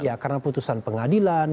ya karena putusan pengadilan